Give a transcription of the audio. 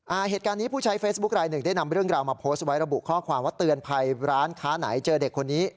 เหตุการณ์นี้ผู้ใช้เฟซบุ๊คลายหนึ่งได้นำเรื่องราวมาโพสต์ไว้ระบุข้อความว่าเตือนภัยร้านค้าไหนเจอเด็กคนนี้